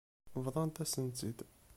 Bḍant-asent-tt-id.